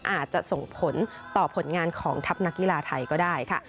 อาจจะส่งผลต่อผลงานของทัพนักกีฬาไทยก็ได้ค่ะ